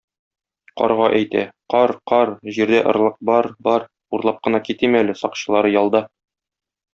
Карга әйтә: кар-кар, җирдә орлык бар-бар, урлап кына китим әле, сакчылары ялда...